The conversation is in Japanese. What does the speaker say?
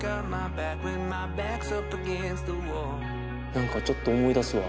何かちょっと思い出すわ。